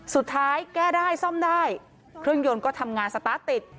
แก้ได้ซ่อมได้เครื่องยนต์ก็ทำงานสตาร์ทติด